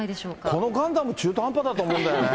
このガンダム、中途半端だと思うんだよね。